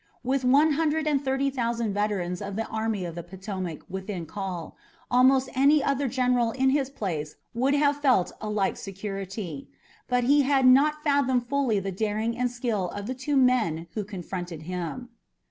With one hundred and thirty thousand veterans of the Army of the Potomac within call, almost any other general in his place would have felt a like security. But he had not fathomed fully the daring and skill of the two men who confronted him.